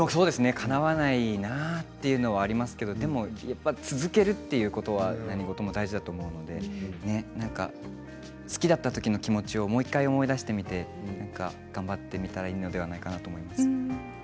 かなわないなというのもありますけれども、やっぱり続けるっていうことは何事も大事だと思うので好きだったときの気持ちをもう１回思い出してみて頑張ってみたらいいのではないかなと思います。